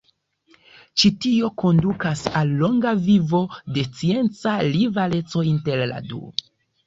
Ĉi tio kondukas al longa vivo de scienca rivaleco inter la du.